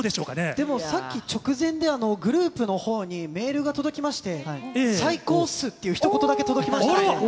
でも、さっき直前でグループのほうにメールが届きまして、最高っすってひと言だけ届きましたね。